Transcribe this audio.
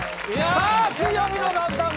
さあ「水曜日のダウンタウン」